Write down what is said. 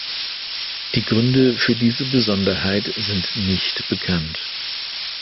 Die Gründe für diese Besonderheit sind nicht bekannt.